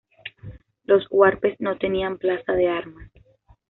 Los huarpes no tenían plaza de armas.